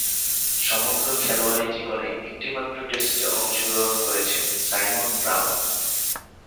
সমগ্র খেলোয়াড়ী জীবনে একটিমাত্র টেস্টে অংশগ্রহণ করেছেন সাইমন ব্রাউন।